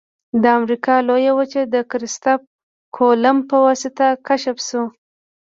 د امریکا لویه وچه د کرستف کولمب په واسطه کشف شوه.